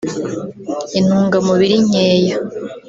intungamubiri nkeya